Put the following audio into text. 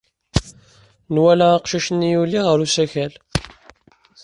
Nwala aqcic-nni yuli ɣer usakal.